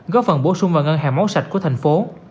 góp phần bổ sung vào ngân hàng máu sạch của thành phố